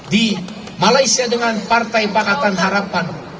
di malaysia dengan partai pakatan harapan